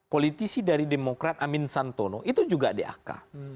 politisi dari demokrat amin santono itu juga dak